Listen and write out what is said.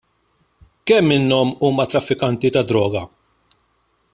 Kemm minnhom huma traffikanti ta' droga?